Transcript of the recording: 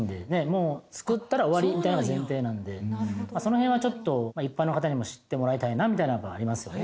もう作ったら終わりみたいなのが前提なんでその辺はちょっと一般の方にも知ってもらいたいなみたいなのはありますよね